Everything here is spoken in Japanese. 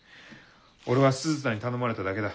俺は鈴田に頼まれただけだ。